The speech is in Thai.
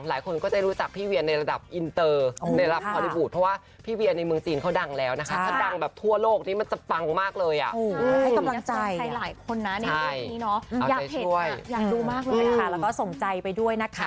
อยากดูมากเลยนะคะแล้วก็ส่งใจไปด้วยนะคะ